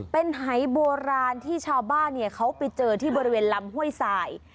เป็นหายโบราณที่ชาวบ้านเขาไปเจอที่บริเวณลำห้วยสาย